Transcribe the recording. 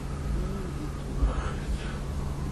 Imbituba